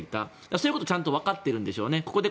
そういうのをちゃんと分かっているんでしょうね。